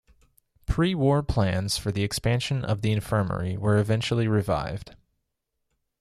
Pre-war plans for the expansion of the Infirmary were eventually revived.